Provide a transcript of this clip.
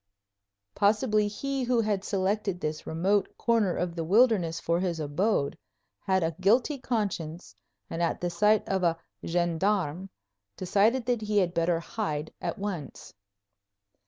Possibly he who had selected this remote corner of the wilderness for his abode had a guilty conscience and at the sight of a gendarme decided that he had better hide at once.